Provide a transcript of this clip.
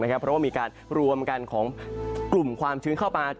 เพราะว่ามีการรวมกันของกลุ่มความชื้นเข้ามา